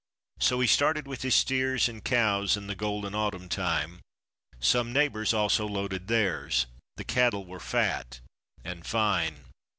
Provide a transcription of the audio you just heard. So he started with his steers and cows in the golden autumn time. Some neighbors also loaded theirs; the cattle were fat and fine.